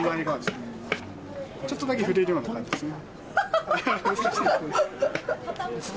ちょっとだけ触れるような感じですね。